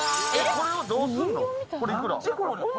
これをどうすんの？